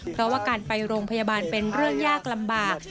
เพราะว่าการไปโรงพยาบาลเป็นเรื่องยากลำบาก